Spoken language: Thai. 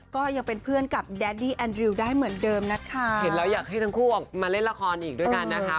ก็ยังเป็นเพื่อนกับแดดดี้แอนดริวได้เหมือนเดิมนะคะเห็นแล้วอยากให้ทั้งคู่ออกมาเล่นละครอีกด้วยกันนะคะ